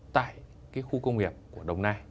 tại cái khu công nghiệp của đồng nai